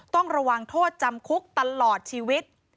ต้องระวังโทษจำคุกตลอดชีวิต